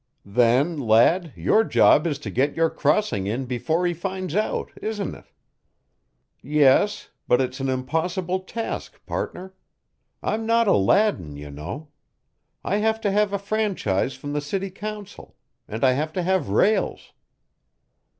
"Then, lad, your job is to get your crossing in before he finds out, isn't it?" "Yes, but it is an impossible task, partner. I'm not Aladdin, you know. I have to have a franchise from the city council, and I have to have rails."